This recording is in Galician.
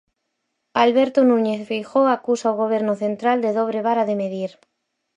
Alberto Núñez Feijóo acusa o Goberno central de dobre vara de medir.